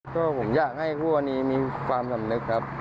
ก็ผมอยากให้คู่กรณีมีความสำนึกครับ